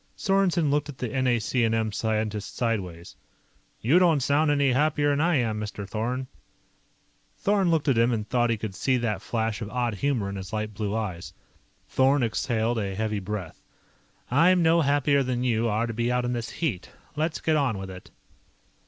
Sorensen looked at the NAC&M scientist sideways. "You don't sound any happier'n I am, Mr. Thorn." Thorn looked at him and thought he could see that flash of odd humor in his light blue eyes. Thorn exhaled a heavy breath. "I'm no happier than you are to be out in this heat. Let's get on with it."